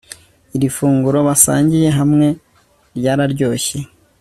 Iri funguro basangiye hamwe ryararyoshye